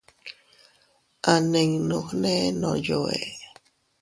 A ninnu gne ndoyo ee.